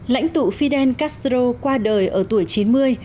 lãnh tụ fidel castro qua đời ở tuổi chín mươi